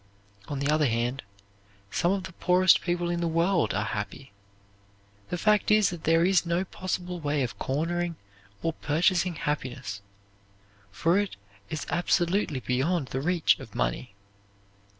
On the other hand, some of the poorest people in the world are happy. The fact is that there is no possible way of cornering or purchasing happiness for it is absolutely beyond the reach of money.